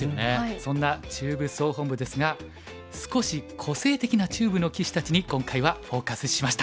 そんな中部総本部ですが少し個性的な中部の棋士たちに今回はフォーカスしました。